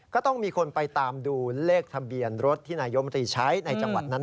ก็ต้องมีคนไปตามดูเลขทะเบียนรถที่นายมตรีใช้ในจังหวัดนั้น